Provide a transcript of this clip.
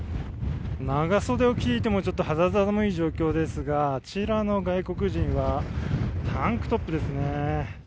長袖を着ていてもちょっと肌寒い状況ですがあちらの外国人はタンクトップですね。